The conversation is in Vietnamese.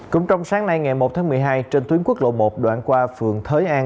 cũng trong sáng nay ngày một tháng một mươi hai trên tuyến quốc lộ một đoạn qua phường thới an